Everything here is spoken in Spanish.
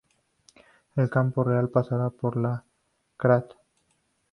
En Campo Real pasara por la Ctra.